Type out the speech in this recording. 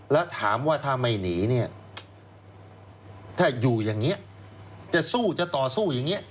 แล้วถามว่าถ้าไม่หนีเนี่ยถ้าอยู่อย่างนี้จะสู้จะต่อสู้อย่างนี้